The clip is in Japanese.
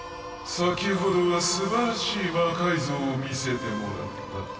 先ほどはすばらしい魔改造を見せてもらった。